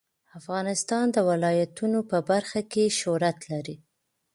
افغانستان د ولایتونو په برخه کې شهرت لري.